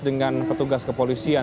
dengan petugas kepolisian